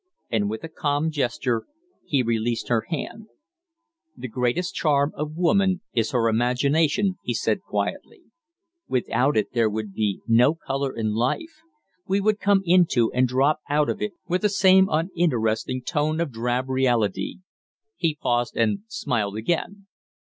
And with a calm gesture he released his hand. "The greatest charm of woman is her imagination," he said, quietly. "Without it there would be no color in life; we would come into and drop out of it with the same uninteresting tone of drab reality." He paused and smiled again.